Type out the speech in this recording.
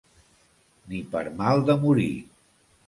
Ni per mal de morir.